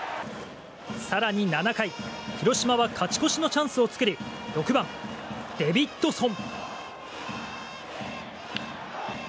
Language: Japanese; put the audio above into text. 更に７回、広島は勝ち越しのチャンスを作り６番、デビッドソン。